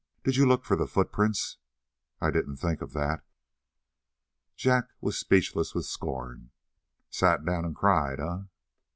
Did you look for the footprints?" "I didn't think of that." Jack was speechless with scorn. "Sat down and cried, eh?"